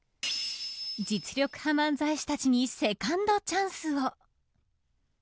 実力派漫才師たちにセカンドチャンスを。